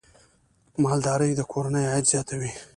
مالداري د کورنیو عاید زیاتوي.